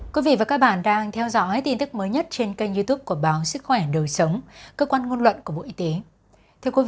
các bạn đang theo dõi tin tức mới nhất trên kênh youtube của báo sức khỏe đời sống cơ quan ngôn luận của bộ y tế